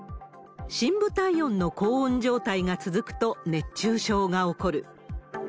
深部体温の高温状態が続くと、熱中症が起こる。